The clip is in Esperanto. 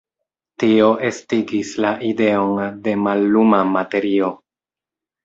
Tio estigis la ideon de malluma materio.